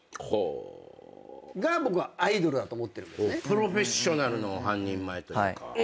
プロフェッショナルの半人前というか。